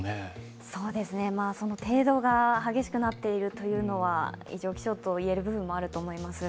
程度が激しくなっているというのは異常気象と言える部分もあると思います。